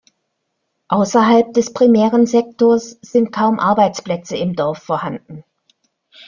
Ausserhalb des primären Sektors sind kaum Arbeitsplätze im Dorf vorhanden.